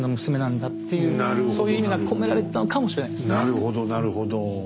なるほどなるほど。